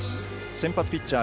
先発ピッチャー